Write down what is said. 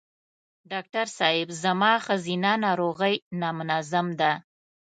ډاکټر صېب زما ښځېنه ناروغی نامنظم ده